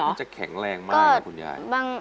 ดูแล้วน่าจะแข็งแรงมากนะคุณยาย